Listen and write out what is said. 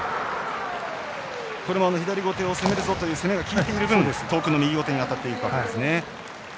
これは左小手を攻めるぞという攻めが効いている分遠くの右小手に当たるんですね。